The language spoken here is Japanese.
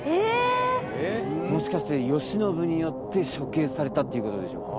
もしかして慶喜によって処刑されたということでしょうか？